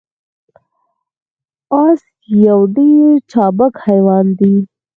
اس یو ډیر چابک حیوان دی